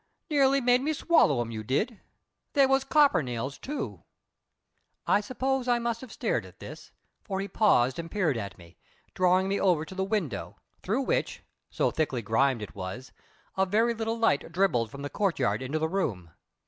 Nearly made me swallow 'em, you did. They was copper nails, too." I suppose I must have stared at this, for he paused and peered at me, drawing me over to the window, through which so thickly grimed it was a very little light dribbled from the courtyard into the room.